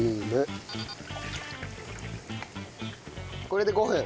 これで５分？